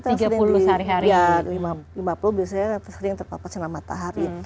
ya lima puluh biasanya yang terpapar sinar matahari